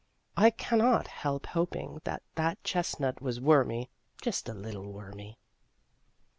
I cannot help hoping that that chestnut was wormy just a little wormy.